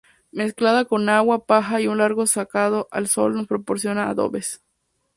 Mezclada con agua, paja y un largo secado al sol nos proporciona adobes.